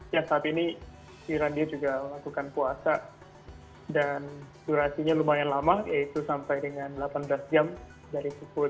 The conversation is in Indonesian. ya saat ini irlandia juga melakukan puasa